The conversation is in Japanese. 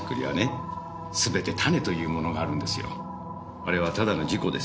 あれはただの事故です。